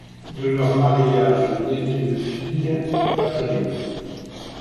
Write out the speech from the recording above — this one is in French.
De leur mariage naît une fille, Catherine.